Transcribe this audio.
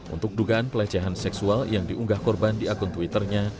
untuk dugaan pelecehan seksual yang diunggah korban di akun twitternya